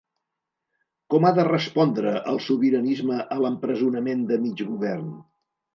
Com ha de respondre el sobiranisme a l’empresonament de mig govern?